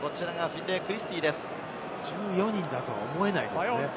１４人だと思えないですよね。